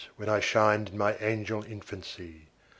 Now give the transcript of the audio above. when I Shin'd in my angel infancy.